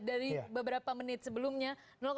dari beberapa menit sebelumnya